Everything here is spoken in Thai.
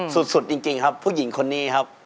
สุดจริงครับผู้หญิงคนนี้ครับ